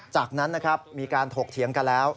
จากนั้นมีการถกเถียงกันแล้ว